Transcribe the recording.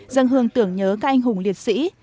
dân hương tưởng nhớ các anh hùng liệt sĩ